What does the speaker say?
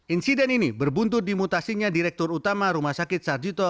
insiden ini berbuntut di mutasinya direktur utama rumah sakit sarjito